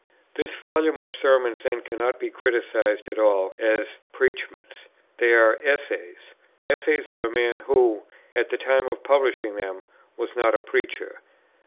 This Volume of Sermons then cannot be criticized at all as preachments; they are essays; essays of a man who, at the time of publishing them, was not a preacher.